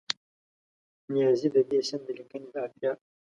نیازي د دې سیند د لیکنې د اړتیا